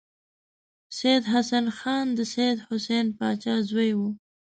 سید حسن خان د سید حسین پاچا زوی و.